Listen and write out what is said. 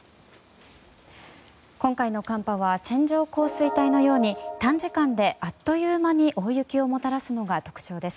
今回の寒波は線状降水帯のように短時間であっという間に大雪をもたらすのが特徴です。